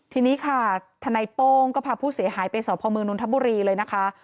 ทีนี้ค่ะทนายโป้งก็พาผู้เสียหายไปสอบพอมนนทบุรีเลยนะคะ